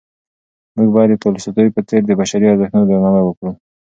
موږ باید د تولستوی په څېر د بشري ارزښتونو درناوی وکړو.